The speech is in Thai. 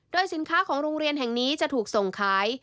โดยสินค้าของโรงเรียนแห่งนี้จะถูกส่งขาย